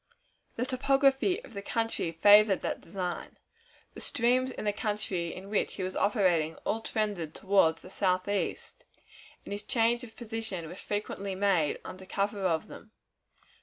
The topography of the country favored that design. The streams in the country in which he was operating all trended toward the southeast, and his change of position was frequently made under cover of them.